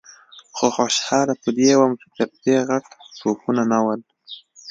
خو خوشاله په دې وم چې تر دې غټ توپونه نه ول.